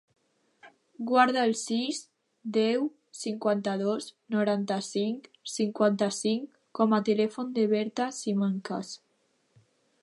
Guarda el sis, deu, cinquanta-dos, noranta-cinc, cinquanta-cinc com a telèfon de la Berta Simancas.